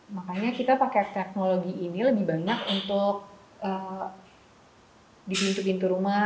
makanya kita pakai teknologi ini lebih banyak untuk di pintu pintu rumah